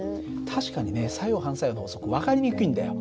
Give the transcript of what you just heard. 確かにね作用・反作用の法則分かりにくいんだよ。